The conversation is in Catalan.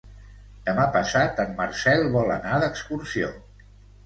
Demà passat en Marcel vol anar d'excursió.